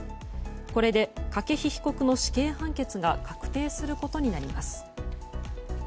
これで筧被告の死刑判決が確定することになります。